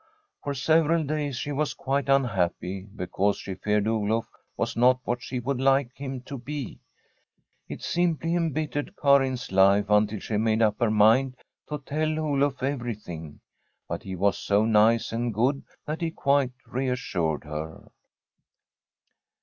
For several days she was quite unhappy, because she feared Oluf was not what she would like him to be. It simply embittered Karin's life until she made up her mind to tell Oluf everything ; but he was so nice and good, that he quite reassured her.